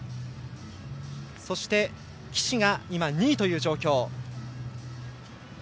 そして岸が今、２位という状況。